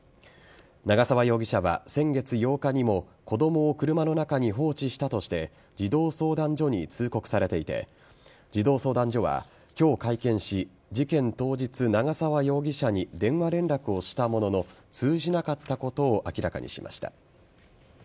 長沢容疑者は先月８日にも子供を車の中に放置したとして児童相談所に通告されていて児童相談所は今日会見し事件当日、長沢容疑者に電話連絡をしたものの通じなかったことを明らかにしました。